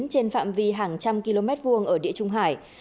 trên phạm vi hàng trăm km vuông ở địa trung hải